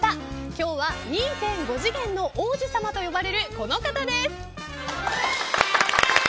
今日は２．５次元の王子様と呼ばれるこの方です。